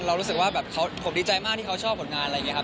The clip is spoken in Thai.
รู้สึกว่าแบบผมดีใจมากที่เขาชอบผลงานอะไรอย่างนี้ครับ